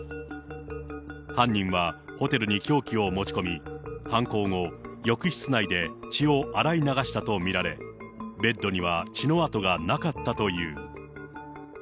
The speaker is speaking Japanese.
犯人はホテルに凶器を持ち込み、犯行後、浴室内で血を洗い流したと見られ、ベッドには血の跡がなかったという。